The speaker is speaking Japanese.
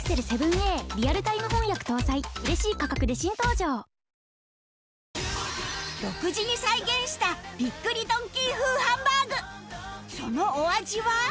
生しょうゆはキッコーマン独自に再現したびっくりドンキー風ハンバーグそのお味は？